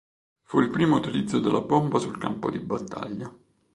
Fu il primo utilizzo della bomba sul campo di battaglia.